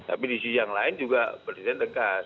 tapi di sisi yang lain juga presiden tegas